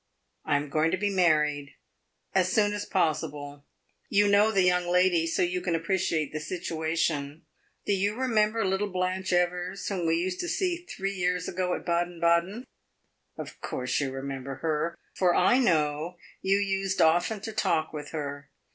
I am going to be married as soon as possible. You know the young lady, so you can appreciate the situation. Do you remember little Blanche Evers, whom we used to see three years ago at Baden Baden? Of course you remember her, for I know you used often to talk with her.